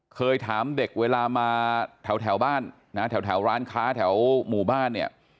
เคยถามเด็กเวลามาแถวบ้านนะแถวร้านค้าแถวหมู่บ้านเนี่ย